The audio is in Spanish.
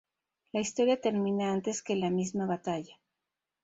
La historia termina antes que la misma batalla.